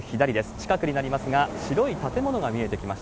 近くになりますが、白い建物が見えてきます。